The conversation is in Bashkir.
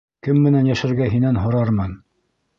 Кем менән йәшәргә һинән һорармын!